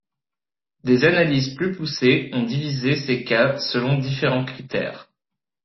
Des analyses plus poussées ont divisé ces cas selon différents critères.